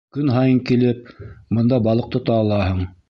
Көн һайын килеп, бында балыҡ тота алаһың.